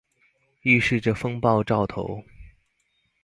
預示著風暴兆頭